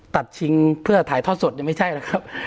ชิงเพื่อถ่ายทอดสดยังไม่ใช่นะครับ